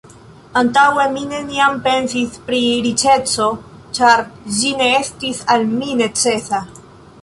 Antaŭe mi neniam pensis pri riĉeco, ĉar ĝi ne estis al mi necesa.